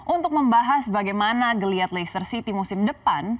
untuk membahas bagaimana geliat leicester city musim depan